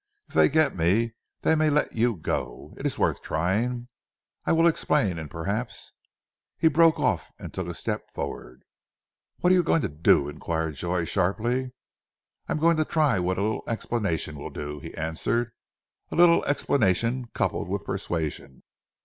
If they get me, they may let you go. It is worth trying. I will explain and perhaps " He broke off and took a step forward. "What are you going to do?" inquired Joy sharply. "Just going to try what a little explanation will do," he answered, "a little explanation coupled with persuasion."